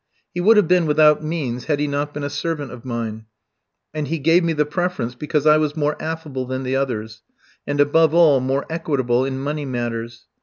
He would have been without means had he not been a servant of mine, and he gave me the preference because I was more affable than the others, and, above all, more equitable in money matters.